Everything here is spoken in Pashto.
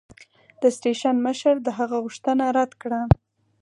د سټېشن مشر د هغه غوښتنه رد کړه.